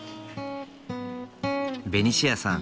ベニシアさん